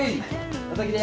お先です。